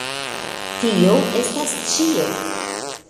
Tio estas ĉio!